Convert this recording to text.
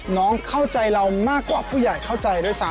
เข้าใจเรามากกว่าผู้ใหญ่เข้าใจด้วยซ้ำ